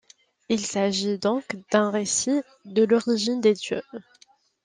Il s'agit donc d'un récit de l'origine des dieux.